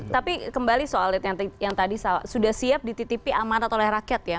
tapi kembali soal yang tadi sudah siap dititipi amanat oleh rakyat ya